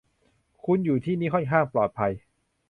คุณอยู่ที่นี่ค่อนข้างปลอดภัย